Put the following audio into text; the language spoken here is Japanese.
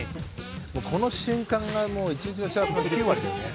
この瞬間が一日の幸せの９割だよね。